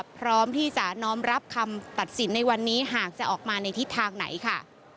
พร้อมที่จะน้อมรับคำตัดสินในวันนี้หากจะออกมาในทิศทางไหนค่ะ